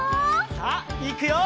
さあいくよ！